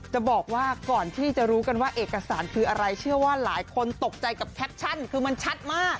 จะบอกว่าก่อนที่จะรู้กันว่าเอกสารคืออะไรเชื่อว่าหลายคนตกใจกับแคปชั่นคือมันชัดมาก